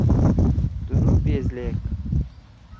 تُنُو پیس لیکھ۔